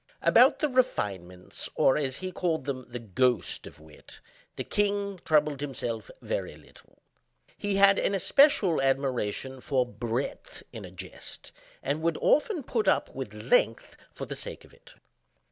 About the refinements, or, as he called them, the "ghost" of wit, the king troubled himself very little. He had an especial admiration for breadth in a jest, and would often put up with length, for the sake of it.